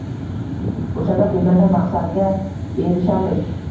O‘shanda ko‘zlangan maqsadga erishamiz.